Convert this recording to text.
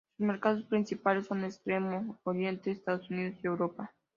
Sus mercados principales son Extremo Oriente, Estados Unidos y Europa.